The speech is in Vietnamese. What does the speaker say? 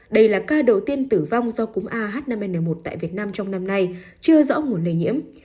đây là ca đầu tiên tử vong do cúm ah năm n một tại việt nam trong năm nay chưa rõ nguồn lây nhiễm